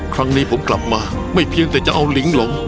ครั้งนี้ผมกลับมาไม่เพียงแต่จะเอาลิงหลง